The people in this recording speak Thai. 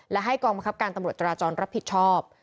และให้กองบังคับการตำรวจจราจรรับผิดชอบ